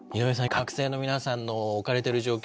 学生の皆さんの置かれてる状況